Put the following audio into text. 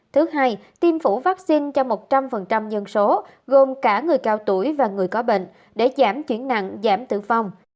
thứ hai tiêm phủ vaccine cho một trăm linh dân số gồm cả người cao tuổi và người có bệnh để giảm chuyển nặng giảm tử vong